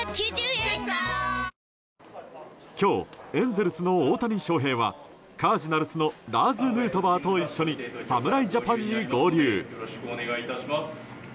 今日、エンゼルスの大谷翔平はカージナルスのラーズ・ヌートバーと一緒に侍ジャパンに合流。